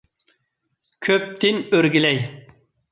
«كۆپ»تىن ئۆرگىلەي!